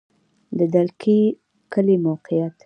د دلکي کلی موقعیت